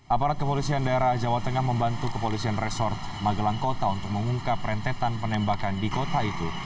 aparat kepolisian daerah jawa tengah membantu kepolisian resort magelang kota untuk mengungkap rentetan penembakan di kota itu